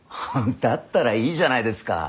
だったらいいじゃないですか。